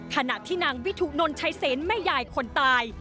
ขณะที่นางวิถุนนชัยเสนแม่ยายคนตาย